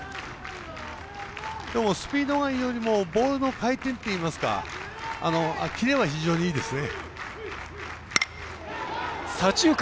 きょうもスピードもボールの回転といいますかキレは非常にいいですね。